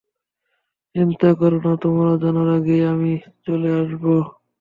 চিন্তা করো না, তোমরা জানার আগেই আমি চলে আসব।